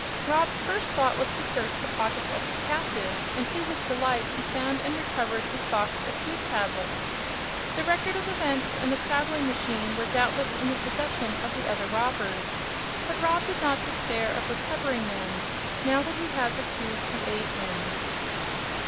Rob's first thought was to search the pockets of his captive, and to his delight he found and recovered his box of food tablets. The Record of Events and the traveling machine were doubtless in the possession of the other robbers, but Rob did not despair of recovering them, now that he had the tube to aid him.